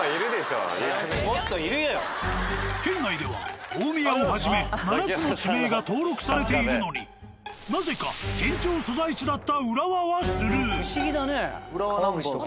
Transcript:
県内では大宮をはじめ７つの地名が登録されているのになぜか県庁所在地だった不思議だねぇ。